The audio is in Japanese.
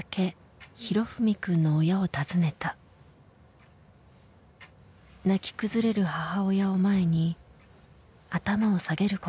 泣き崩れる母親を前に頭を下げることしかできなかった。